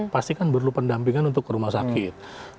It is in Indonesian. pasti kan perlu pendampingan untuk ke rumah sakit